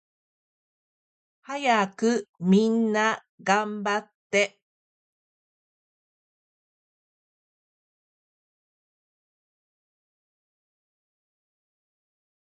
はやくみんながんばって